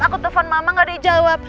aku telfon mama nggak dijawab